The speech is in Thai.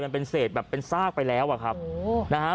มันเป็นเศษแบบเป็นซากไปแล้วอะครับนะฮะ